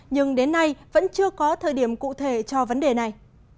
nhưng đến nay vẫn chưa có thời điểm cụ thể cho vấn đề này